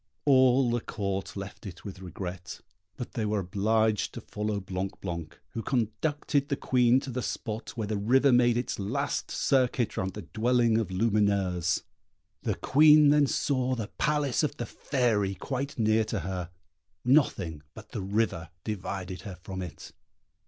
All the Court left it with regret; but they were obliged to follow Blanc blanc, who conducted the Queen to the spot where the river made its last circuit round the dwelling of Lumineuse. The Queen then saw the Palace of the Fairy quite near to her. Nothing but the river divided her from it.